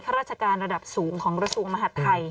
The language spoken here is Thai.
ราชการระดับสูงของกระทรวงมหาดไทย